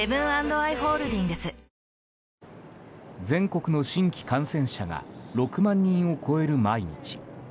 全国の新規感染者が６万人を超える毎日。